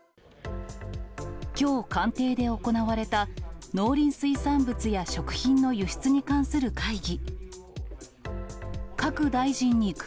きょう、官邸で行われた、農林水産物や食品の輸出に関する会議。